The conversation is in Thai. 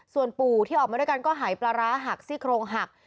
ส่วนปู่ที่ออกมาด้วยกันก็หายปลาร้าหักซี่โครงหัก